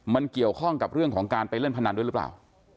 มันเกี่ยวข้องกับเรื่องของการไปเล่นพนันด้วยหรือเปล่า